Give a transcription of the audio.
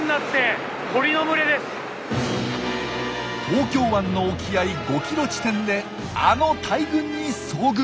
東京湾の沖合５キロ地点であの大群に遭遇。